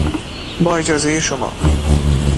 با اجازهی شما